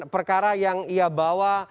perkara yang ia bawa